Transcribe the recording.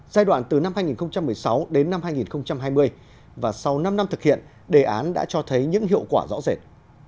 giai đoạn từ năm hai nghìn một mươi sáu đến năm hai nghìn hai mươi và sau năm năm thực hiện đề án đã cho thấy những hiệu quả rõ rệt